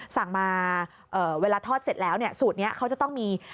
สั่งมาเวลาทอดเสร็จแล้วเนี่ยสูตรนี้เขาจะต้องมี